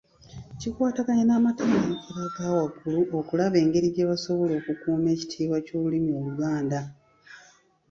Kikwataganye n’amatendekero aga waggulu okulaba engeri gye basobola okukuuma ekitiibwa ky’olulimi Oluganda.